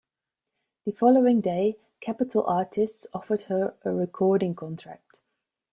The following day, Capital Artists offered her a recording contract.